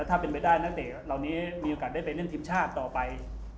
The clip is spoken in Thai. ถ้าเป็นไปได้นักเตะเหล่านี้มีโอกาสได้ไปเล่นทีมชาติต่อไป